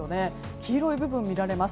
黄色い部分が見られます。